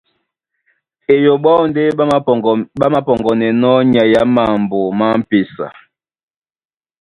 Eyoɓo aó ndé ɓá māpɔŋgɔnɛnɔ́ nyai á mambo má m̀pesa.